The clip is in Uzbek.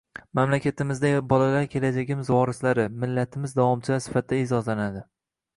Mamlakatimizda bolalar kelajagimiz vorislari, millatimiz davomchilari sifatida e’zozlanadi